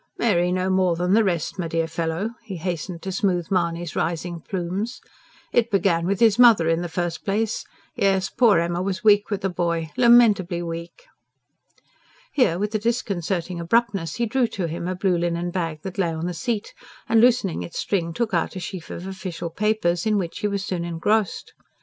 "Mary no more than the rest, my dear fellow," he hastened to smooth Mahony's rising plumes. "It began with his mother in the first place. Yes, poor Emma was weak with the boy lamentably weak!" Here, with a disconcerting abruptness, he drew to him a blue linen bag that lay on the seat, and loosening its string took out a sheaf of official papers, in which he was soon engrossed.